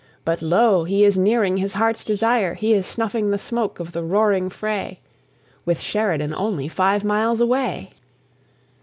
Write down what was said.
But lo! he is nearing his heart's desire; He is snuffing the smoke of the roaring fray, With Sheridan only five miles away.